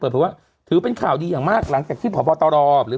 เพราะว่าถือเป็นข่าวดีอย่างมากหลังจากที่พบตรหรือ